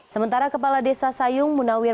sementara kepala desa sayung munawir